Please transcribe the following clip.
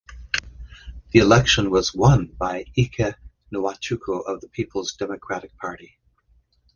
The election was won by Ike Nwachukwu of the Peoples Democratic Party.